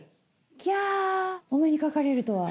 キャお目にかかれるとは。